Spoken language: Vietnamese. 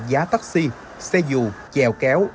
giá taxi xe dù chèo kéo